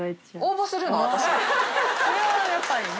それはやっぱりね。